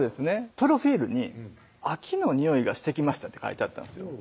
プロフィールに「秋のにおいがしてきました」って書いてあったんですよ